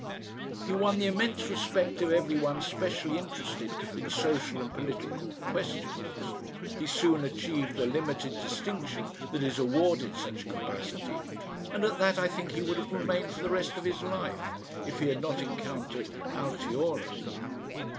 He won the immense respect of every one specially interested in social and political questions, he soon achieved the limited distinction that is awarded such capacity, and at that I think he would have remained for the rest of his life if he had not encountered Altiora.